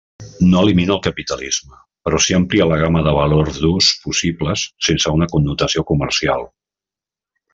No elimina el capitalisme, però si amplia la gamma de valors d'ús possibles sense una connotació comercial.